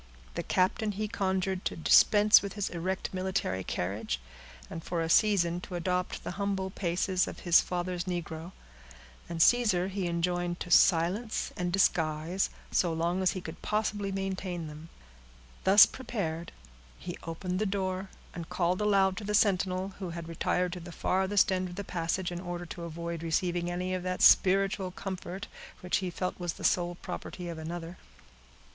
The captain he conjured to dispense with his erect military carriage, and for a season to adopt the humble paces of his father's negro; and Caesar he enjoined to silence and disguise, so long as he could possibly maintain them. Thus prepared, he opened the door, and called aloud to the sentinel, who had retired to the farthest end of the passage, in order to avoid receiving any of that spiritual comfort, which he felt was the sole property of another.